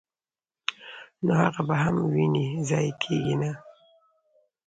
نو هغه به هم وويني، ضائع کيږي نه!!.